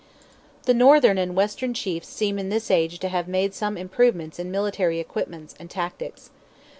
The northern and western chiefs seem in this age to have made some improvements in military equipments, and tactics.